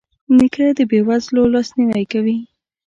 نیکه د بې وزلو لاسنیوی کوي.